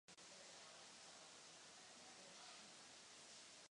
Populace byla zcela arabská.